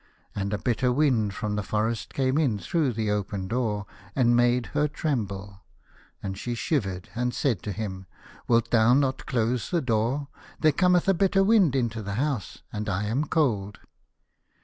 And a bitter wind from the forest came in through the open door, and made her tremble, and she shivered, and said to him :" Wilt thou not close the door ? There cometh a bitter wind into the house, and I am cold."